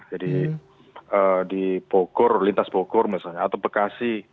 jadi di pokor lintas pokor misalnya atau bekasi